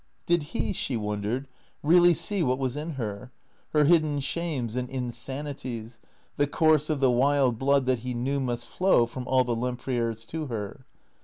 Did he, she wondered, really see what was in her, her hidden shames and insanities, the course of the wild blood that he knew must flow from all the Lemprieres to her